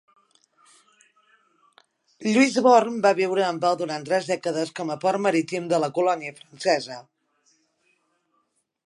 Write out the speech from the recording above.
Louisbourg va viure en pau durant tres dècades com a port marítim de la colònia francesa.